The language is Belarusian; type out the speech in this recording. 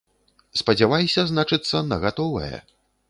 Спадзявайся, значыцца, на гатовае.